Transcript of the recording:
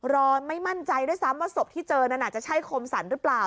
รอไม่มั่นใจด้วยซ้ำว่าศพที่เจอนั่นอาจจะใช่คมสรรหรือเปล่า